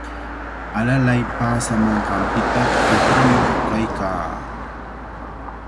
Alalay paasamanqanpita tuqruyuq kaykaa.